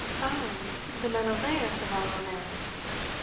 "Oh, the Menelaus of our romance.